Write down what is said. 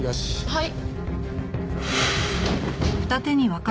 はい。